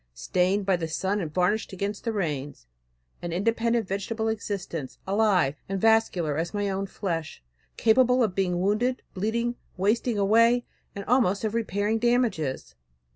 Stained by the sun and varnished against the rains. An independent vegetable existence, alive and vascular as my own flesh; capable of being wounded, bleeding, wasting away, and almost of repairing damages!